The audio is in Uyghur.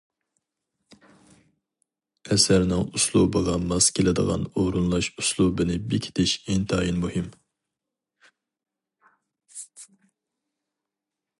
ئەسەرنىڭ ئۇسلۇبىغا ماس كېلىدىغان ئورۇنلاش ئۇسلۇبىنى بېكىتىش ئىنتايىن مۇھىم.